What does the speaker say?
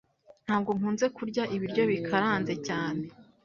Ntabwo nkunze kurya ibiryo bikaranze cyane